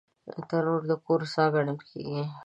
تنور د کور ساه ګڼل کېږي